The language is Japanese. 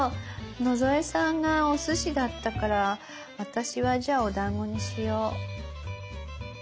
野添さんがおすしだったから私はじゃあおだんごにしよう。